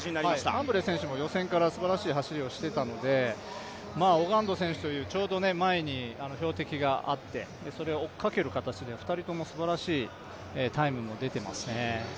ファンブレー選手も予選からすばらしい走りをしてたのでオガンド選手というちょうど前に標的があってそれを追っかける形で、２人ともすばらしいタイムが出ていますね。